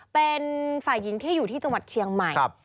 เป็นฝ่ายหญิงที่อยู่ที่จังหวัดเชียงใหม่